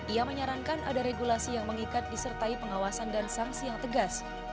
ia menyarankan ada regulasi yang mengikat disertai pengawasan dan sanksi yang tegas